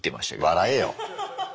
笑えよ。